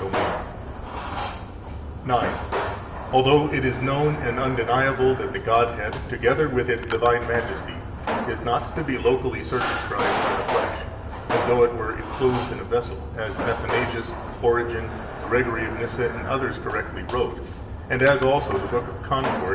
171 Although it is known and undeniable that the Godhead, together with its divine majesty, is not to be locally circumscribed by the flesh, as though it were enclosed in a vessel, as Athanasius, Origen, Gregory of Nyssa, and others correctly wrote, and as also the Book of Concord [p.